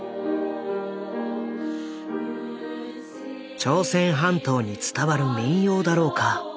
朝鮮半島に伝わる民謡だろうか？